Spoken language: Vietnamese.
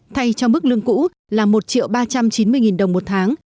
thay cho mức lương cũ là một triệu ba trăm chín mươi đồng một tháng